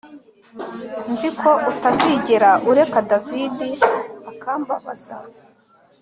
Nzi ko utazigera ureka David akambabaza